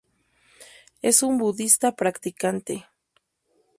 Es un budista practicante.